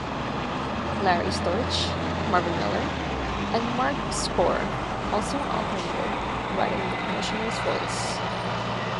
Larry Storch, Marvin Miller and Mark Skor also alternated providing the Commissioner's voice.